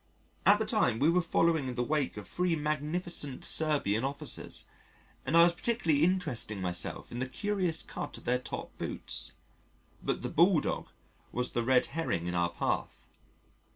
At the time we were following in the wake of three magnificent Serbian Officers, and I was particularly interesting myself in the curious cut of their top boots. But the Bulldog was the Red Herring in our path.